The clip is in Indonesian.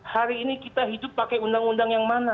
hari ini kita hidup pakai undang undang yang mana